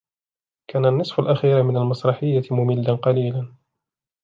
كان النصف الأخير من المسرحية مملاً قليلاً.